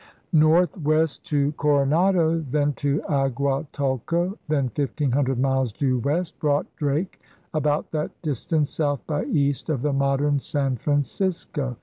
Northwest to Coronado, then to Aguatulco, then fifteen hundred miles due west, brought Drake about that distance south by east of the modern San Francisco.